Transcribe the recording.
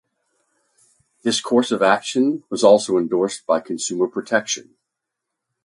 This course of action was also endorsed by consumer protection.